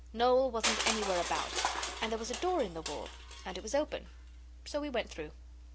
Noel wasn't anywhere about, and there was a door in the wall. And it was open; so we went through.